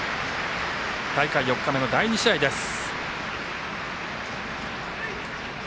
大会４日目の第２試合です。